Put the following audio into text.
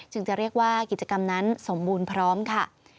จะเรียกว่ากิจกรรมนั้นสมบูรณ์พร้อมค่ะ